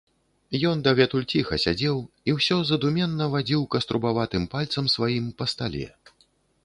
Ён дагэтуль ціха сядзеў і ўсё задуменна вадзіў каструбаватым пальцам сваім па стале.